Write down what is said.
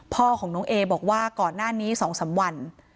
พ่อของน้องเอบอกว่าก่อนหน้านี้๒๓วัน